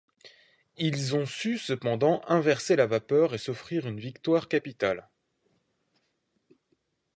Ils ont su cependant inverser la vapeur et s'offrir une victoire capitale.